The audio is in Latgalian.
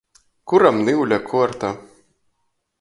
Kuram niule kuorta?